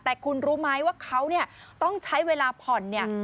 แต่คุณรู้ไหมว่าเขาเนี่ยต้องใช้เวลาผ่อนเนี่ย